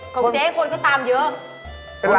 ของเจ๊คนก็ตามเยอะ